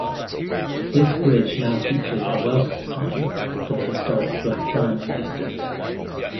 This bridge now features a welcome sign for the historic 'black diamond' district.